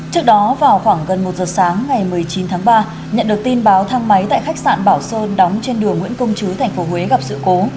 trước đó vào khoảng gần một giờ sáng ngày một mươi chín tháng ba nhận được tin báo thang máy tại khách sạn bảo sơn đóng trên đường nguyễn công chứ tp huế gặp sự cố